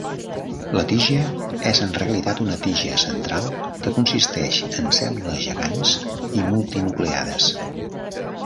La "tija" és en realitat una tija central que consisteix en cèl·lules gegants i multinucleades.